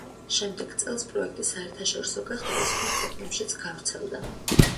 შემდეგ წელს პროექტი საერთაშორისო გახდა და სხვა ქვეყნებშიც გავრცელდა.